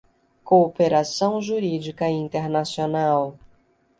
cooperação jurídica internacional